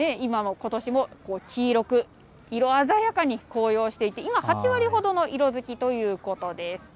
ことしも、黄色く色鮮やかに紅葉していて今、８割ほどの色づきということです。